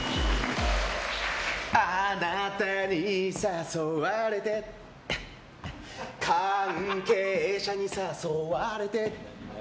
あなたに誘われて関係者に誘われて。